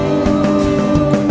jauh jauh darimu